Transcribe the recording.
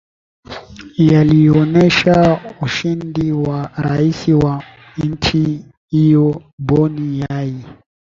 yaliyoonyesha ushindi wa rais wa nchi hiyo bonnie yai